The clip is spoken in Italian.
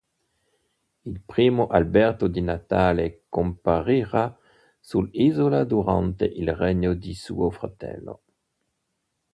Il primo albero di Natale comparirà sull'isola durante il regno di suo fratello.